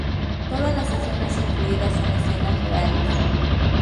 Todas las escenas incluidas son escenas reales.